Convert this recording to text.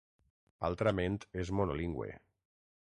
Altrament és monolingüe.